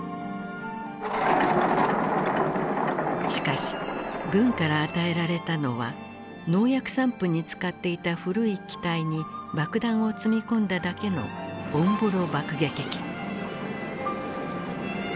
しかし軍から与えられたのは農薬散布に使っていた古い機体に爆弾を積み込んだだけのオンボロ爆撃機。